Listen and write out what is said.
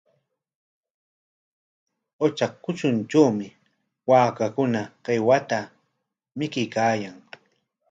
Qutra kutruntrawmi waakakuna qiwata mikuykaayan.